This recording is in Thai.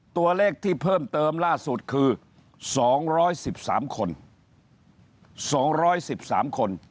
ตัวเลขที่เพิ่มเติมล่าสุดคือ๒๑๓คน๒๑๓คน